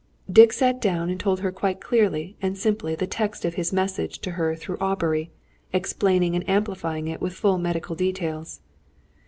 Dick sat down and told her quite clearly and simply the text of his message to her through Aubrey, explaining and amplifying it with full medical details.